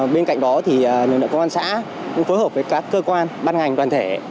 bên cạnh đó lực lượng công an xã cũng phối hợp với các cơ quan ban ngành toàn thể